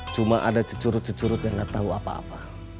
cuma ada cucurut cucurut yang gak tau apa apa